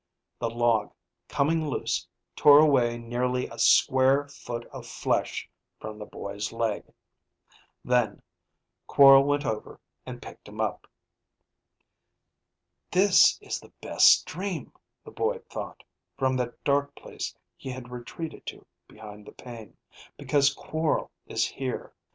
The log coming loose tore away nearly a square foot of flesh from the boy's leg. Then, Quorl went over and picked him up. This is the best dream, the boy thought, from that dark place he had retreated to behind the pain, because Quorl is here.